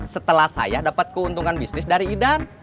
setelah saya dapat keuntungan bisnis dari idan